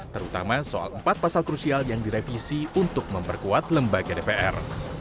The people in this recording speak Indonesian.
terutama soal empat pasal krusial yang direvisi untuk memperkuat lembaga dpr